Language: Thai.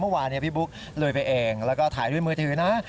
เมื่อวานพี่บุ๊กลุยไปเองแล้วก็ถ่ายด้วยมือถือนะ